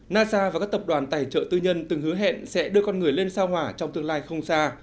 nasa và các tập đoàn tài trợ tư nhân từng hứa hẹn sẽ đưa con người lên sao hỏa trong tương lai không xa